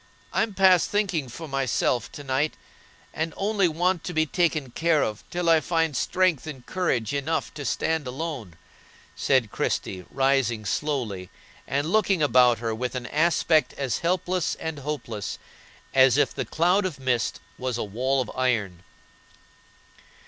I'm past thinking for myself to night, and only want to be taken care of till I find strength and courage enough to stand alone," said Christie, rising slowly and looking about her with an aspect as helpless and hopeless as if the cloud of mist was a wall of iron.